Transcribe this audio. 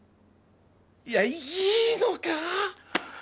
いやいいのか！？